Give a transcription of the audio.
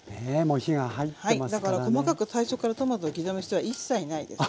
だから細かく最初からトマトを刻む必要は一切ないです。